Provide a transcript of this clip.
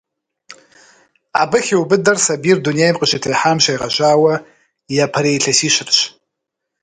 Абы хиубыдэр сабийр дунейм къыщытехьам щегъэжьауэ япэрей илъэсищырщ.